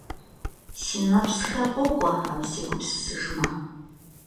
Си нэпсхэр къокӀуэ, абы сегупсысыжмэ.